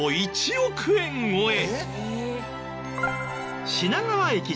７億円超え！